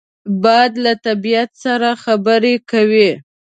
باد له طبیعت سره خبرې کوي